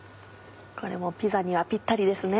これもピザにはぴったりですね。